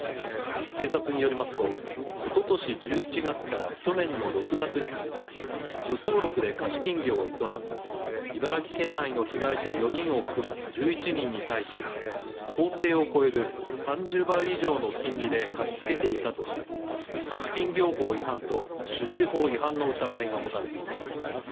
警察によりますとおととし１１月から去年の６月にかけて無登録で貸金業を営み茨城県内の被害者４人を含む１１人に対し法定を超える３０倍以上の金利で貸し付けていたとして貸金業法違反と出資法違反の疑いが持たれています。